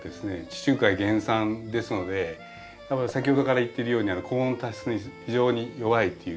地中海原産ですので先ほどから言ってるように高温多湿に非常に弱いということですね。